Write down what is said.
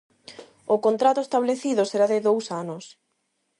O contrato establecido será de dous anos.